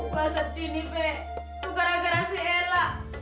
gue sedih nih be gue gara gara si ella